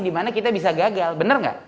di mana kita bisa gagal bener gak